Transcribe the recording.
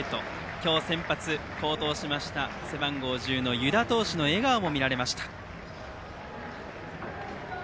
今日先発、好投しました背番号１０の湯田投手の笑顔も見られました。